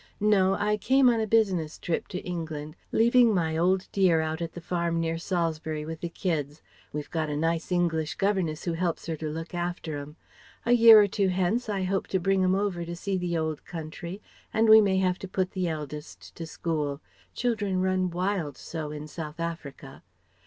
No. I came on a business trip to England, leaving my old dear out at the farm near Salisbury, with the kids we've got a nice English governess who helps her to look after 'em. A year or two hence I hope to bring 'em over to see the old country and we may have to put the eldest to school: children run wild so in South Africa.